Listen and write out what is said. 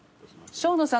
［生野さん